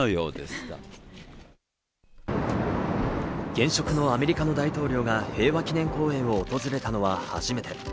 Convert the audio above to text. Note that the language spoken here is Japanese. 現職のアメリカの大統領が平和記念公園を訪れたのは初めて。